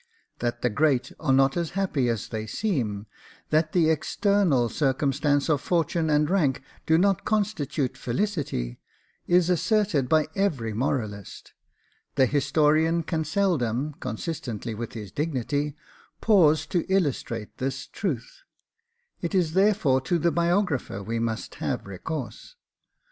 That the great are not as happy as they seem, that the external circumstances of fortune and rank do not constitute felicity, is asserted by every moralist: the historian can seldom, consistently with his dignity, pause to illustrate this truth; it is therefore to the biographer we must have recourse.